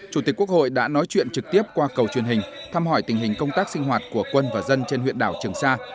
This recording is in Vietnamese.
chủ tịch quốc hội đã nói chuyện trực tiếp qua cầu truyền hình thăm hỏi tình hình công tác sinh hoạt của quân và dân trên huyện đảo trường sa